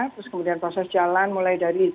terus kemudian proses jalan mulai dari